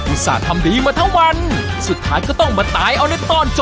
ต่าทำดีมาทั้งวันสุดท้ายก็ต้องมาตายเอาในตอนจบ